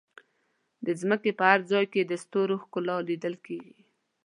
د ځمکې په هر ځای کې د ستورو ښکلا لیدل کېږي.